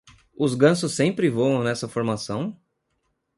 Os gansos sempre voam nessa formação?